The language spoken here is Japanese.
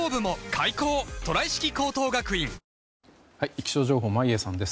気象情報、眞家さんです。